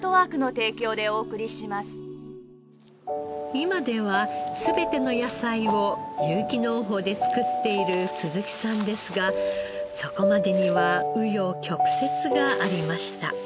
今では全ての野菜を有機農法で作っている鈴木さんですがそこまでには紆余曲折がありました。